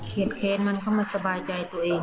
แค้นมันเข้ามาสบายใจตัวเอง